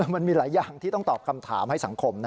มันมีหลายอย่างที่ต้องตอบคำถามให้สังคม